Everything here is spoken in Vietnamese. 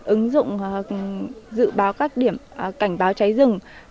ứng dụng dự báo các điểm cảnh báo cháy rừng